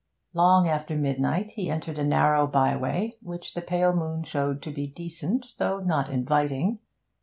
Long after midnight he entered a narrow byway, which the pale moon showed to be decent, though not inviting.